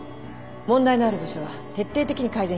問題のある部署は徹底的に改善していくから。